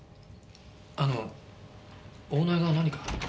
あのオーナーが何か？